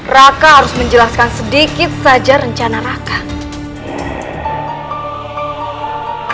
raka harus menjelaskan sedikit saja rencana raka